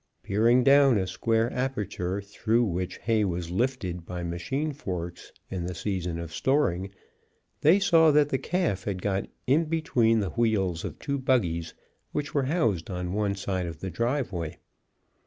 Peering down a square aperture, through which hay was lifted by machine forks in the season of storing, they saw that the calf had got in between the wheels of two buggies which were housed on one side of the driveway.